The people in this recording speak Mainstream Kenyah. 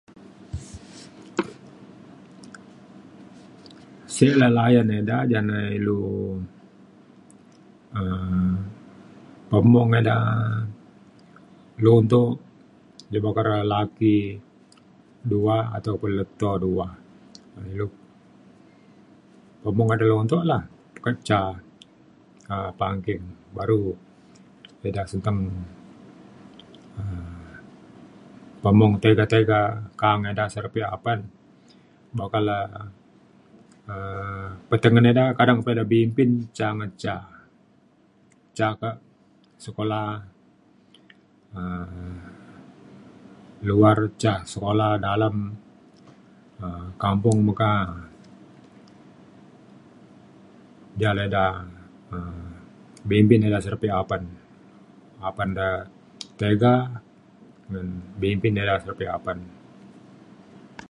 Sio layan ida ja na ilu um pemung ida luntok [unintelligible] laki dua ataupun leto dua. um ilu pemung ida luntok lah kan ca um panggi baru ida [unintelligible] um pemung tiga tiga ka’ang ida se re pe apan buk ka le um petengen ida kadang pa ida bimpin ca ngan ca. Ca kak sekula um luar ca sekula dalem um kampung meka ja le ida um bimpim ida se re pe apan. Apan da tiga ngan bimpin ida se re pe ida apan